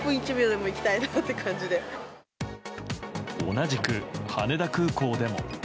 同じく羽田空港でも。